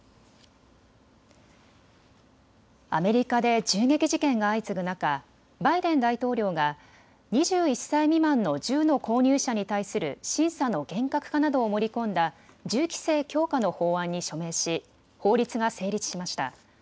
アメリカで銃撃事件が相次ぐ中、バイデン大統領が２１歳未満の銃の購入者に対する審査の厳格化などを盛り込んだ銃規制強化の法案に署名し法律が成立しました。